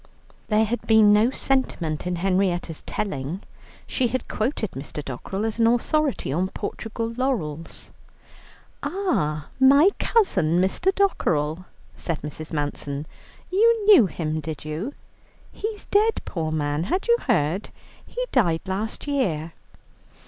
There had been no sentiment in Henrietta's telling, she had quoted Mr. Dockerell as an authority on Portugal laurels. "Ah, my cousin, Mr. Dockerell," said Mrs. Manson, "you knew him, did you? He's dead, poor man, had you heard? He died last year."